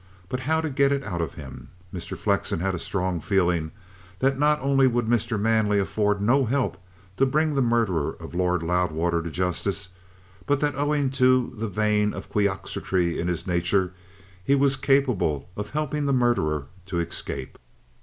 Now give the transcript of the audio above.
But how to get it out of him? Mr. Flexen had a strong feeling that not only would Mr. Manley afford no help to bring the murderer of Lord Loudwater to justice, but, that owing to the vein of Quixotry in his nature, he was capable of helping the murderer to escape.